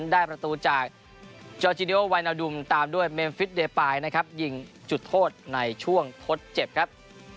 ได้ประตูจากจอร์จิโอไวนาวดุมตามด้วยเมมฟิตเดปายนะครับยิงจุดโทษในช่วงทดเจ็บครับ